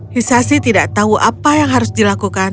hisasi tidak tahu apa yang harus dilakukan